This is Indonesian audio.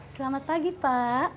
selamat pagi pak